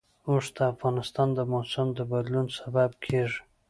اوښ د افغانستان د موسم د بدلون سبب کېږي.